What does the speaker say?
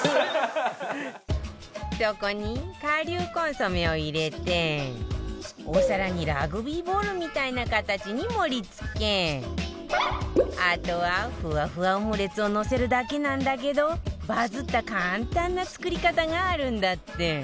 そこに顆粒コンソメを入れてお皿にラグビーボールみたいな形に盛り付けあとはふわふわオムレツをのせるだけなんだけどバズった簡単な作り方があるんだって